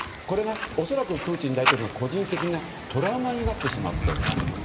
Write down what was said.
これが恐らくプーチン大統領の個人的なトラウマになってしまっている。